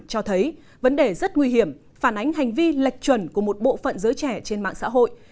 cho thấy vấn đề rất nguy hiểm phản ánh hành vi lệch chuẩn của một bộ phận giới trẻ trên mạng xã hội